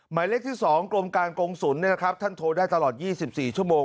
หมายเลขที่๒กรมการกงศูนย์ท่านโทรได้ตลอด๒๔ชั่วโมง